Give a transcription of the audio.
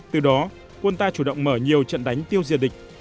từ đó quân ta chủ động mở nhiều trận đánh tiêu diệt địch